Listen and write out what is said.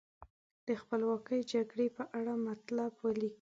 د خپلواکۍ جګړې په اړه مطلب ولیکئ.